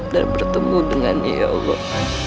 dan bertemu dengannya ya allah